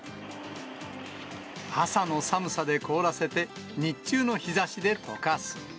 朝の寒さで凍らせて、日中の日ざしでとかす。